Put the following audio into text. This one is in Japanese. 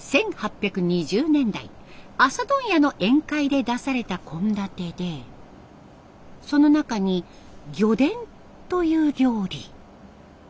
１８２０年代麻問屋の宴会で出された献立でその中に「魚でん」という料理。